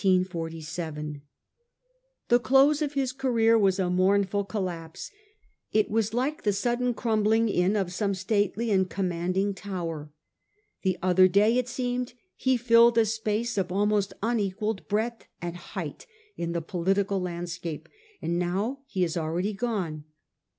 The close of his career was a mournful collapse; it was like the sudden crumbling in of some stately and commanding tower. The other day, it seemed, he filled a space of almost unequalled breadth and height in the political landscape; and now he is already gone.